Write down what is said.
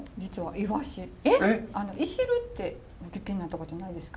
「いしる」ってお聞きになったことないですか？